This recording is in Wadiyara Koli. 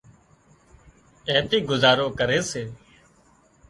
اين ٿي گذارو ڪري سي